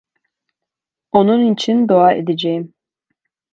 Onun için dua edeceğim.